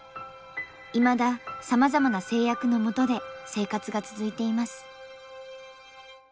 いまださまざまな制約のもとで生活が続いています。